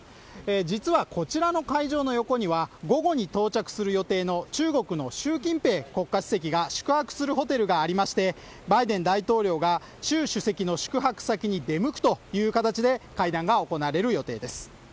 実はこちらの会場の横には午後に到着する予定の中国の習近平国家主席が宿泊するホテルがありまして毎年大統領が出席の宿泊先に出向くという形で会談が行われる予定です